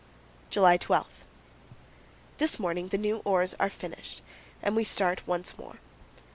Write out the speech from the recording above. July 12. This morning the new oars are finished and we start once more.